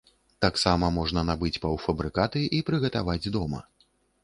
Таксама можна набыць паўфабрыкаты і прыгатаваць дома.